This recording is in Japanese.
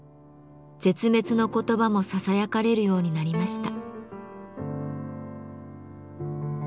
絶滅の言葉もささやかれるようになりました。